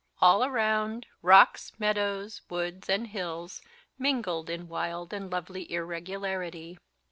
All around, rocks, meadows, woods, and hills, mingled in wild and lovely irregularity.